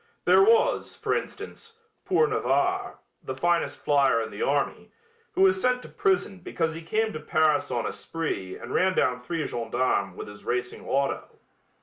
There was, for instance, poor Navarre, the finest flier in the army, who was sent to prison because he came to Paris on a spree and ran down three gendarmes with his racing auto.